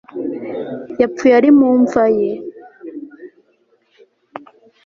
Yapfuye ari mu mva ye